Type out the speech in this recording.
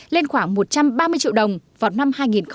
lên khoảng một trăm ba mươi triệu đồng vào năm hai nghìn một mươi năm